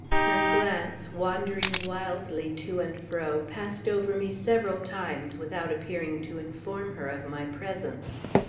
Her glance, wandering wildly to and fro, passed over me several times, without appearing to inform her of my presence.